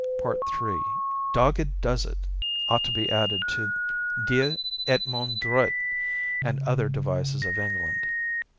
III "Dogged does it" ought to be added to "Dieu et mon droit" and other devices of England.